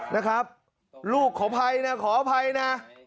นะครับลูกขออภัยนะขออภัยนะ